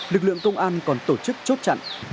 lực lượng công an còn tổ chức chốt chặn